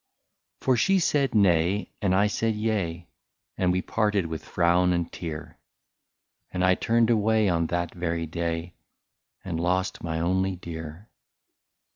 For she said nay, and I said yea, And we parted with frown and tear ; And I turned away on that very day, And lost my only dear.